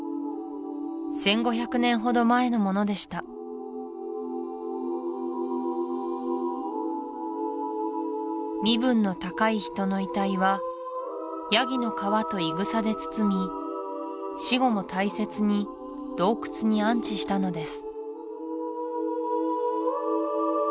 １５００年ほど前のものでした身分の高い人の遺体はヤギの皮とイグサで包み死後も大切に洞窟に安置したのです